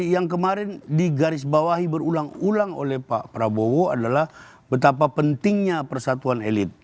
yang kemarin digarisbawahi berulang ulang oleh pak prabowo adalah betapa pentingnya persatuan elit